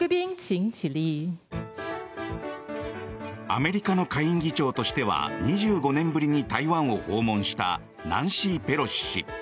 アメリカの下院議長としては２５年ぶりに台湾を訪問したナンシー・ペロシ氏。